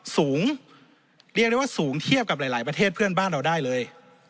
สูงเรียกได้ว่าสูงเทียบกับหลายประเทศเพื่อนบ้านเราได้เลย